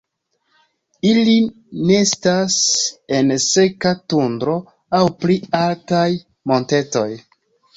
Ili nestas en seka tundro aŭ pli altaj montetoj.